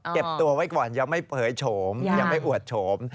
เก็บตัวไว้ก่อนยังไม่เผยโฉมยังไม่อวดโฉม